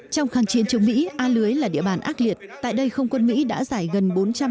trong kháng chiến chống mỹ a lưới là địa bàn ác liệt tại đây không quân mỹ đã giải gần bốn trăm linh